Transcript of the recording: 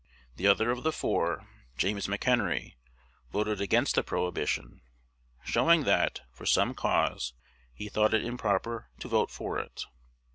The other of the four, James McHenry, voted against the prohibition, showing that, for some cause, he thought it improper to vote for it.